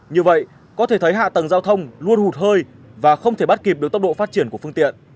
như vậy có thể thấy hạ tầng giao thông luôn hụt hơi và không thể bắt kịp được tốc độ phát triển của phương tiện